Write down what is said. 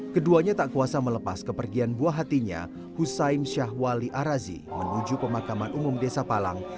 keduanya tak kuasa melepas kepergian buah hatinya hussein syahwali arazi menuju pemakaman umum desa palang